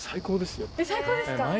最高ですか？